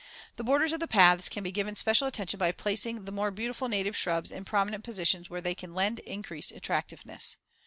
The borders of the paths can be given special attention by placing the more beautiful native shrubs in prominent positions where they can lend increased attractiveness.